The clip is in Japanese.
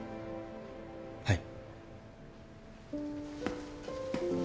はい。